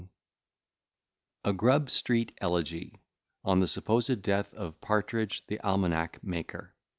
] A GRUB STREET ELEGY ON THE SUPPOSED DEATH OF PARTRIDGE THE ALMANACK MAKER.